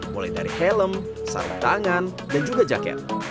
mulai dari helm sarung tangan dan juga jaket